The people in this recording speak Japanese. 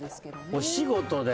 お仕事で。